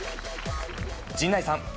陣内さん。